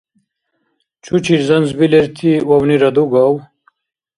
Чучир занзбилерти вавнира дугав?